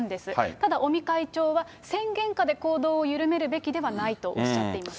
ただ、尾身会長は、宣言下で行動を緩めるべきではないとおっしゃっています。